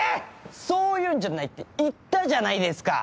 そういうんじゃないって言ったじゃないですか！